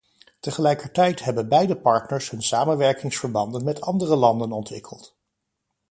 Tegelijkertijd hebben beide partners hun samenwerkingsverbanden met andere landen ontwikkeld.